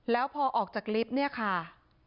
แล้วพอออกจากลิฟต์เนี่ยค่ะ